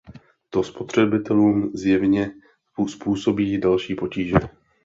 To spotřebitelům zjevně způsobí další potíže.